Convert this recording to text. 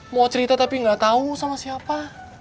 mau cerita tapi nggak tahu sama siapa